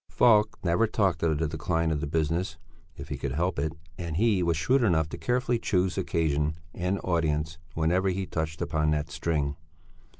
Falk never talked of the decline of the business if he could help it, and he was shrewd enough carefully to choose occasion and audience whenever he touched upon that string.